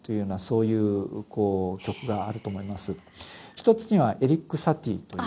一つにはエリック・サティという。